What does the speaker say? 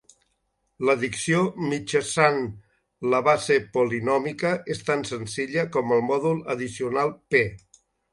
L'addició mitjançant la base polinòmica és tan senzilla com el mòdul addicional "p".